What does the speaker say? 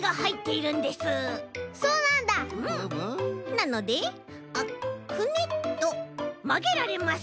なのでくねっとまげられます。